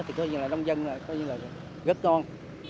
thì nông dân rất ngon